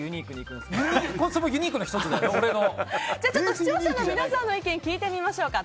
視聴者の皆さんの意見を聞いてみましょうか。